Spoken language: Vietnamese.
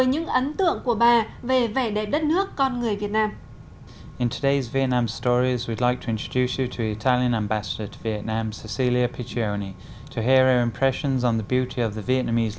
cả cung với những ấn tượng của bà về vẻ đẹp đất nước con người việt nam